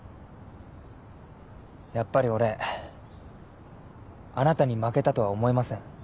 やっぱり俺あなたに負けたとは思えません。